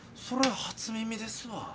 それ初耳ですわ。